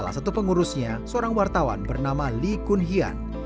salah satu pengurusnya seorang wartawan bernama lee kun hian